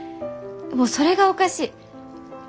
それがおかしい。